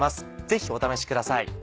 ぜひお試しください。